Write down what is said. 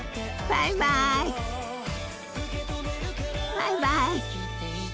バイバイ！